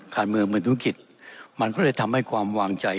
การเมืองเหมือนธุรกิจมันก็เลยทำให้ความวางใจ